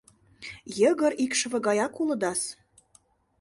— Йыгыр икшыве гаяк улыдас.